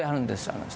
あの人。